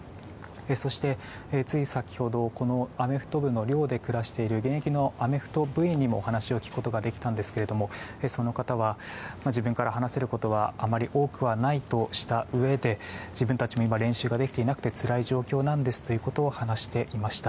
そして、つい先ほどアメフト部の寮で暮らしている現役のアメフト部員にもお話を聞くことができたんですがその方は自分から話せることはあまり多くないとしたうえで自分たちも練習ができていなくてつらい状況なんですと話していました。